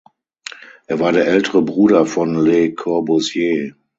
Er war der ältere Bruder von Le Corbusier.